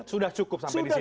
sudah cukup sampai di sini